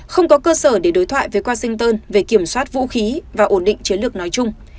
không có cơ sở để đối thoại với washington về kiểm soát vũ khí và ổn định chiến lược nói chung